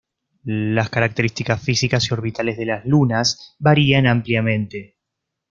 Las características físicas y orbitales de las lunas varían ampliamente.